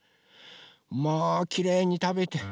まあきれいにたべて。